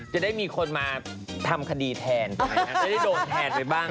จะได้มีคนมาทำคดีแทนไม่ได้โดนแทนไปบ้าง